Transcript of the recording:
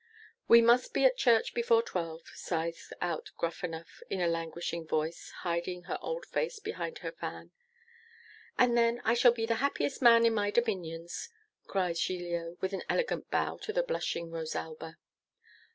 'We must be at church before twelve,' sighs out Gruffanuff in a languishing voice, hiding her old face behind her fan. 'And then I shall be the happiest man in my dominions,' cries Giglio, with an elegant bow to the blushing Rosalba.